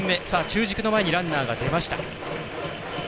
中軸の前にランナーが出ました。